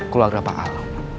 keluarga pak al